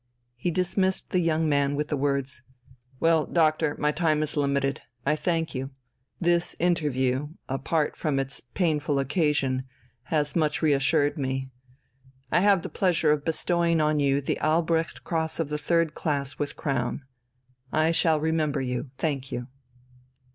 He dismissed the young man with the words: "Well, doctor, my time is limited. I thank you. This interview apart from its painful occasion has much reassured me. I have the pleasure of bestowing on you the Albrecht Cross of the Third Class with Crown. I shall remember you. Thank you."